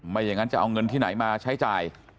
ไม่อย่างนั้นจะเอาเงินที่ไหนมาใช้จ่าย